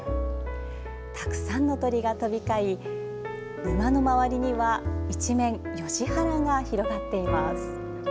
たくさんの鳥が飛び交い沼の周りには一面、ヨシ原が広がっています。